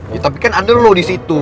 ya tapi kan ada lo di situ